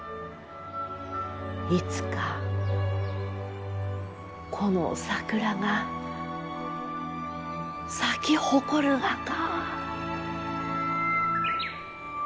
いつかこの桜が咲き誇るがか。